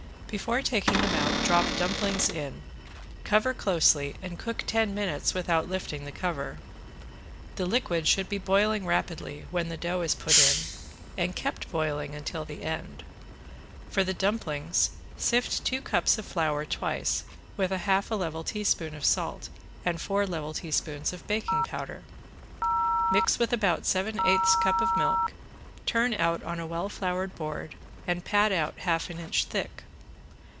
Before taking them out drop dumplings in, cover closely and cook ten minutes without lifting the cover. The liquid should be boiling rapidly when the dough is put in and kept boiling until the end. For the dumplings sift two cups of flour twice with half a level teaspoon of salt and four level teaspoons of baking powder. Mix with about seven eighths cup of milk, turn out on a well floured board and pat out half an inch thick.